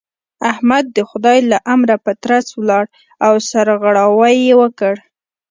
احمد د خدای له امره په ترڅ ولاړ او سرغړاوی يې وکړ.